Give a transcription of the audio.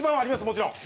もちろん。